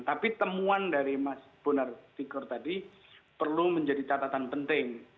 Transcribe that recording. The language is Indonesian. tapi temuan dari mas bonar tikur tadi perlu menjadi catatan penting